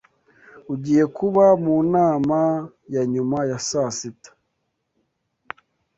Ugiye kuba mu nama ya nyuma ya saa sita?